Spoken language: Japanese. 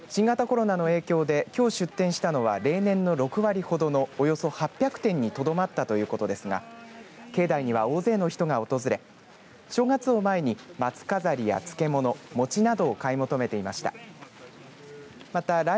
主催者によりますと新型コロナの影響できょう出店したのは例年の６割ほどのおよそ８００点にとどまったということですが境内には大勢の人が訪れ正月を前に松飾りや漬物餅などを買い求めていました。